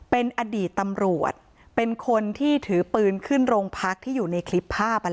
เป็นอดีตตำรวจเป็นคนที่ถือปืนขึ้นโรงพักที่อยู่ในคลิปภาพ